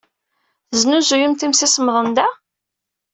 Tesnuzuyemt imsisemḍen da?